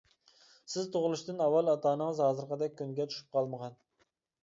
سىز تۇغۇلۇشتىن ئاۋۋال ئاتا-ئانىڭىز ھازىرقىدەك كۈنگە چۈشۈپ قالمىغان.